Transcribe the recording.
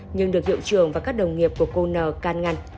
nhưng được hiệu trường và các đồng nghiệp của cô n can ngăn